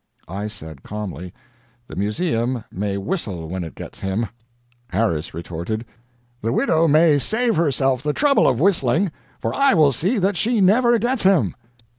I said, calmly: "The museum may whistle when it gets him." Harris retorted: "The widow may save herself the trouble of whistling, for I will see that she never gets him."